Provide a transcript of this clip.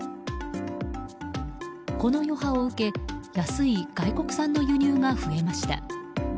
この余波を受け安い外国産の輸入が増えました。